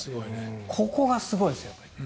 ここがすごいですよね。